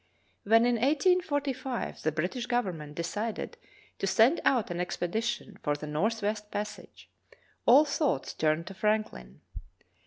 When in 1845 the British Government decided to send out an expedition for the northwest passage, all thoughts turned to Franklin.